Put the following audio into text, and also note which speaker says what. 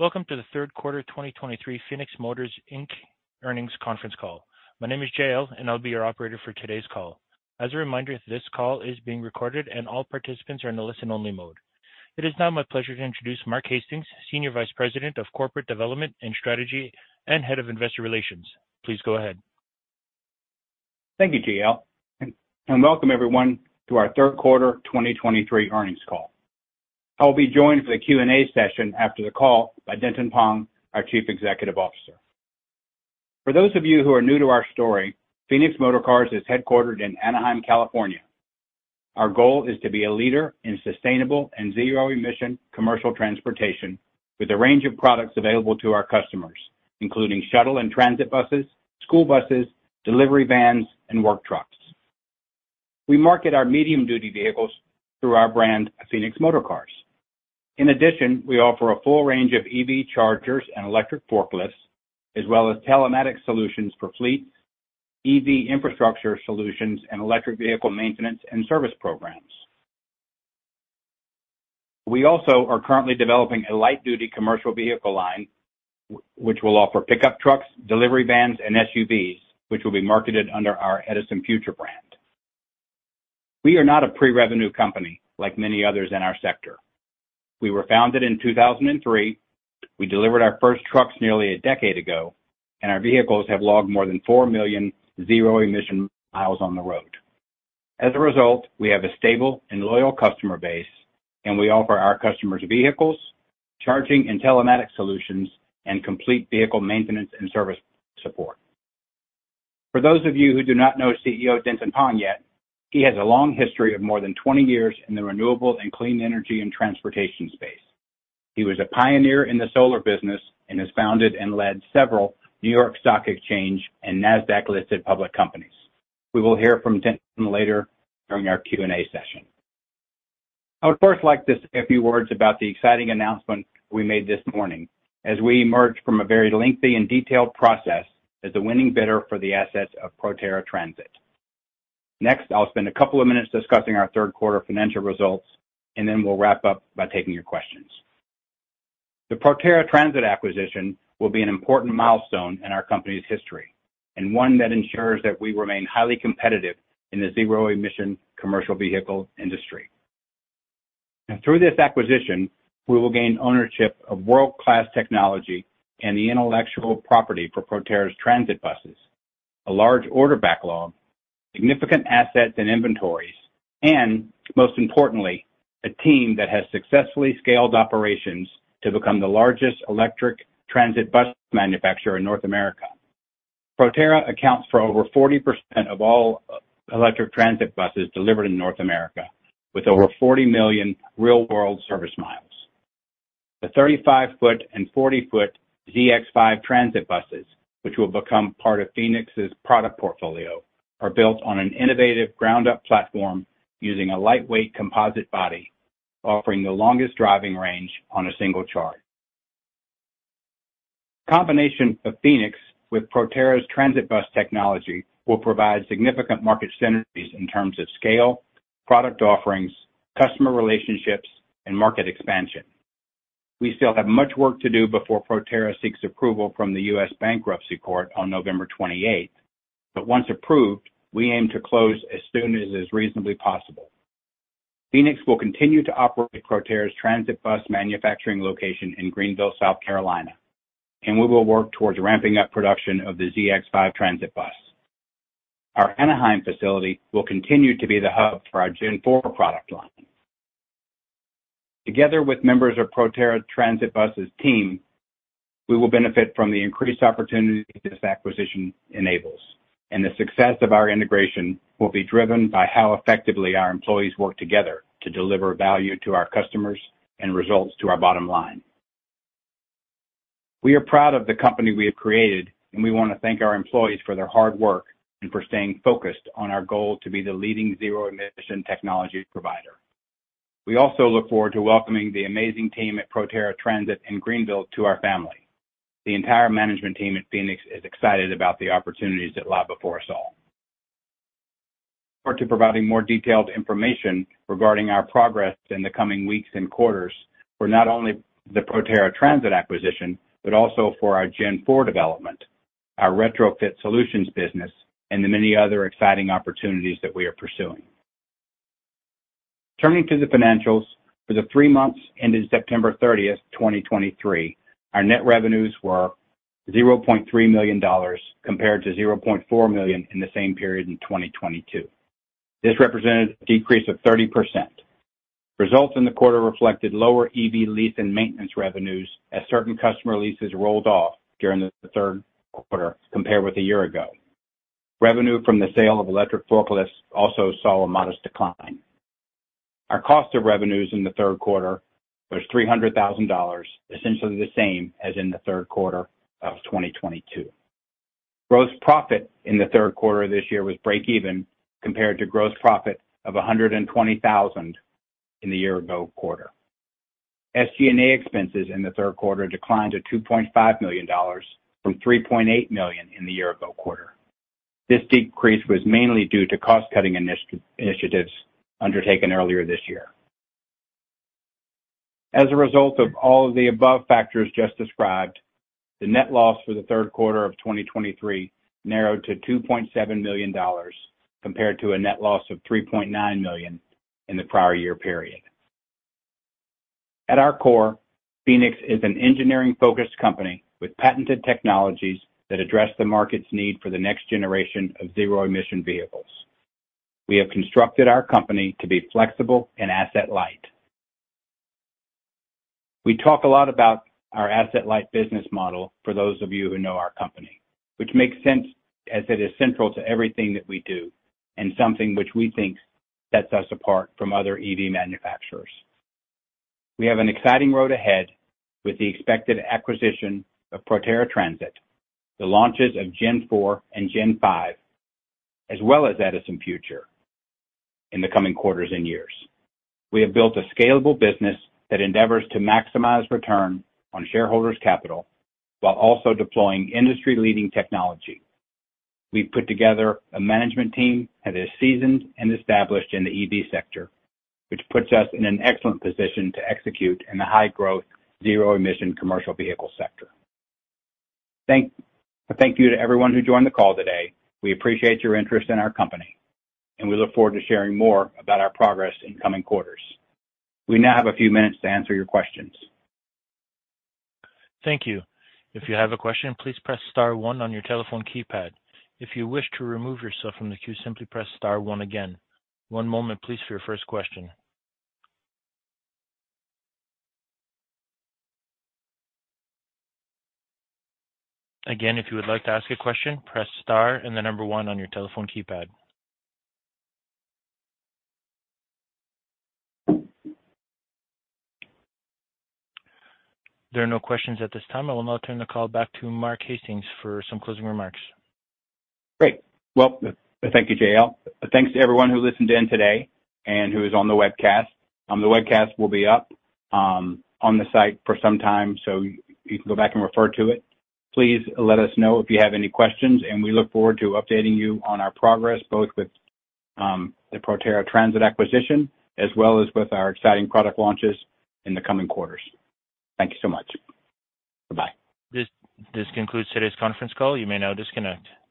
Speaker 1: Welcome to the Third Quarter 2023 Phoenix Motor Inc. Earnings Conference Call. My name is J.L., and I'll be your operator for today's call. As a reminder, this call is being recorded, and all participants are in a listen-only mode. It is now my pleasure to introduce Mark Hastings, Senior Vice President of Corporate Development and Strategy and Head of Investor Relations. Please go ahead.
Speaker 2: Thank you, JL, and welcome everyone to our third quarter 2023 earnings call. I will be joined for the Q&A session after the call by Denton Peng, our Chief Executive Officer. For those of you who are new to our story, Phoenix Motorcars is headquartered in Anaheim, California. Our goal is to be a leader in sustainable and zero-emission commercial transportation with a range of products available to our customers, including shuttle and transit buses, school buses, delivery vans, and work trucks. We market our medium-duty vehicles through our brand, Phoenix Motorcars. In addition, we offer a full range of EV chargers and electric forklifts, as well as telematics solutions for fleets, EV infrastructure solutions, and electric vehicle maintenance and service programs. We also are currently developing a light-duty commercial vehicle line, which will offer pickup trucks, delivery vans, and SUVs, which will be marketed under our EdisonFuture brand. We are not a pre-revenue company like many others in our sector. We were founded in 2003. We delivered our first trucks nearly a decade ago, and our vehicles have logged more than four million zero-emission miles on the road. As a result, we have a stable and loyal customer base, and we offer our customers vehicles, charging and telematics solutions, and complete vehicle maintenance and service support. For those of you who do not know CEO Denton Peng yet, he has a long history of more than 20 years in the renewable and clean energy and transportation space. He was a pioneer in the solar business and has founded and led several New York Stock Exchange and Nasdaq-listed public companies. We will hear from Denton later during our Q&A session. I would first like to say a few words about the exciting announcement we made this morning as we emerge from a very lengthy and detailed process as the winning bidder for the assets of Proterra Transit. Next, I'll spend a couple of minutes discussing our third quarter financial results, and then we'll wrap up by taking your questions. The Proterra Transit acquisition will be an important milestone in our company's history and one that ensures that we remain highly competitive in the zero-emission commercial vehicle industry. Through this acquisition, we will gain ownership of world-class technology and the intellectual property for Proterra's transit buses, a large order backlog, significant assets and inventories, and most importantly, a team that has successfully scaled operations to become the largest electric transit bus manufacturer in North America. Proterra accounts for over 40% of all electric transit buses delivered in North America, with over 40 million real-world service miles. The 35-foot and 40-foot ZX5 transit buses, which will become part of Phoenix's product portfolio, are built on an innovative ground-up platform using a lightweight composite body, offering the longest driving range on a single charge. Combination of Phoenix with Proterra's transit bus technology will provide significant market synergies in terms of scale, product offerings, customer relationships, and market expansion. We still have much work to do before Proterra seeks approval from the U.S. Bankruptcy Court on November 28, but once approved, we aim to close as soon as is reasonably possible. Phoenix will continue to operate Proterra's transit bus manufacturing location in Greenville, South Carolina, and we will work towards ramping up production of the ZX5 transit bus. Our Anaheim facility will continue to be the hub for our Gen4 product line. Together with members of Proterra Transit buses team, we will benefit from the increased opportunity this acquisition enables, and the success of our integration will be driven by how effectively our employees work together to deliver value to our customers and results to our bottom line. We are proud of the company we have created, and we want to thank our employees for their hard work and for staying focused on our goal to be the leading zero-emission technology provider. We also look forward to welcoming the amazing team at Proterra Transit in Greenville to our family. The entire management team at Phoenix is excited about the opportunities that lie before us all. Forward to providing more detailed information regarding our progress in the coming weeks and quarters for not only the Proterra Transit acquisition, but also for our Gen-4 development, our retrofit solutions business, and the many other exciting opportunities that we are pursuing. Turning to the financials, for the three months ended September 30, 2023, our net revenues were $0.3 million compared to $0.4 million in the same period in 2022. This represented a decrease of 30%. Results in the quarter reflected lower EV lease and maintenance revenues as certain customer leases rolled off during the third quarter compared with a year ago. Revenue from the sale of electric forklifts also saw a modest decline. Our cost of revenues in the third quarter was $300,000, essentially the same as in the third quarter of 2022. Gross profit in the third quarter of this year was break even, compared to gross profit of $120,000 in the year-ago quarter. SG&A expenses in the third quarter declined to $2.5 million from $3.8 million in the year-ago quarter. This decrease was mainly due to cost-cutting initiatives undertaken earlier this year. As a result of all of the above factors just described, the net loss for the third quarter of 2023 narrowed to $2.7 million, compared to a net loss of $3.9 million in the prior year period. At our core, Phoenix is an engineering-focused company with patented technologies that address the market's need for the next generation of zero-emission vehicles. We have constructed our company to be flexible and asset-light. We talk a lot about our asset-light business model, for those of you who know our company, which makes sense as it is central to everything that we do and something which we think sets us apart from other EV manufacturers. We have an exciting road ahead with the expected acquisition of Proterra Transit, the launches of Gen 4 and Gen 5, as well as EdisonFuture in the coming quarters and years. We have built a scalable business that endeavors to maximize return on shareholders' capital while also deploying industry-leading technology. We've put together a management team that is seasoned and established in the EV sector, which puts us in an excellent position to execute in the high-growth, zero-emission commercial vehicle sector. Thank you to everyone who joined the call today. We appreciate your interest in our company, and we look forward to sharing more about our progress in coming quarters. We now have a few minutes to answer your questions.
Speaker 1: Thank you. If you have a question, please press star one on your telephone keypad. If you wish to remove yourself from the queue, simply press star one again. One moment please, for your first question. Again, if you would like to ask a question, press star and the number one on your telephone keypad. There are no questions at this time. I will now turn the call back to Mark Hastings for some closing remarks.
Speaker 2: Great. Well, thank you, J.L. Thanks to everyone who listened in today and who is on the webcast. The webcast will be up on the site for some time, so you can go back and refer to it. Please let us know if you have any questions, and we look forward to updating you on our progress, both with the Proterra Transit acquisition, as well as with our exciting product launches in the coming quarters. Thank you so much. Bye-bye.
Speaker 1: This concludes today's conference call. You may now disconnect.